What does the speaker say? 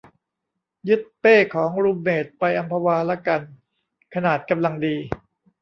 ยึดเป้ของรูมเมทไปอัมพวาละกัน ขนาดกำลังดี